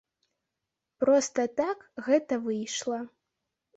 Проста так гэта выйшла.